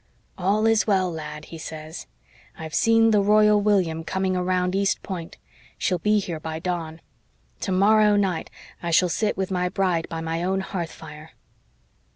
"'All is well, lad,' he says. 'I've seen the Royal William coming around East Point. She will be here by dawn. Tomorrow night I shall sit with my bride by my own hearth fire.'